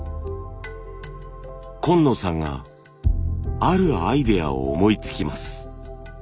今野さんがあるアイデアを思いつきます。